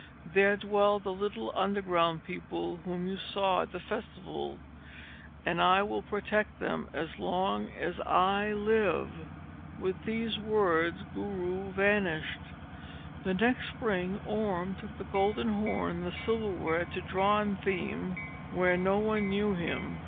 There dwell the little underground people whom you saw at the festival, and I will protect them as long as I live!" With these words Guru vanished. The next spring Orm took the golden horn and the silverware to Drontheim, where no one knew him.